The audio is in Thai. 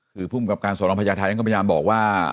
คือผู้บังกับการณ์สวรรค์พระชาติไทยยังก็พยายามบอกว่า